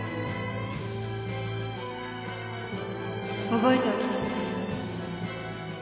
覚えておきなさい